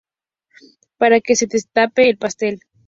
para que no se destape el pastel